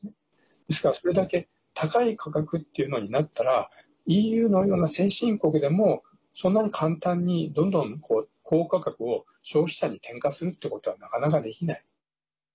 ですから、それだけ高い価格というのになったらＥＵのような先進国でもそんなに簡単にどんどん高価格を消費者に転嫁するってことはなかなかできない。